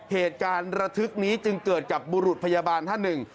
เหตุการณ์ระทึกนี้จึงเกิดกับบุรุษพยาบาลท่านหนึ่ง